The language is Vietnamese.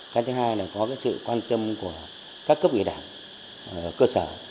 cái thứ hai là có sự quan tâm của các cấp nghề đảng cơ sở